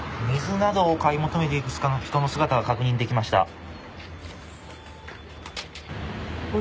水などを買い求めている人の姿が確認できました。